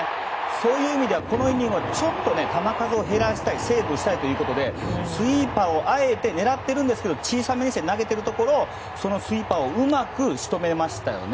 そういう意味ではこのイニングはちょっと球数を減らしたいセーブしたいということであえて、スイーパーを狙われているんですけど小さめに投げているところをそのスイーパーをうまく仕留めましたよね。